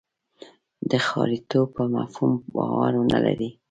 د ښاریتوب پر مفهوم باور نه لري.